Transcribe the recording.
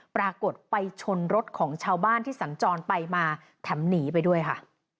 ปรากฏไปชนรถของชาวบ้านที่สัญจรไปมาแถมหนีไปด้วยค่ะ